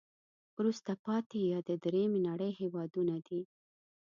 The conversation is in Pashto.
وروسته پاتې یا د دریمې نړی هېوادونه دي.